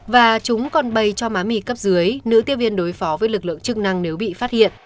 và chúng còn bày cho má mì cấp dưới nữ tiếp viên đối phó với lực lượng chức năng nếu bị phát hiện